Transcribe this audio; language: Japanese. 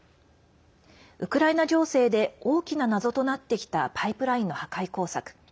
ウクライナ情勢で大きな謎となってきたパイプラインの破壊工作。